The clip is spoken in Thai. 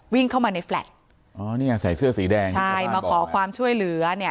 วิ่งเข้ามาในแฟลต์ใส่เสื้อสีแดงมาขอความช่วยเหลือ